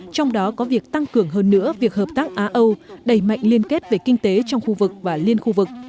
trong đó có việc tăng cường hơn nữa việc hợp tác á âu đẩy mạnh liên kết về kinh tế trong khu vực và liên khu vực